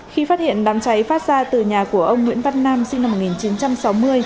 khi phát hiện đám cháy phát ra từ nhà của ông nguyễn văn nam sinh năm một nghìn chín trăm sáu mươi